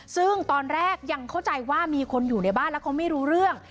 ซึ่งตอนแรกยังเข้าใจว่ามีคนอยู่ในบ้านแล้วเขาไม่รู้เรื่อง